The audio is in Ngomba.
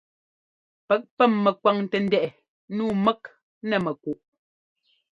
Pɛk pɛ́m mɛkwaŋtɛ ndɛꞌɛ nǔu mɛk nɛ mɛkuꞌ.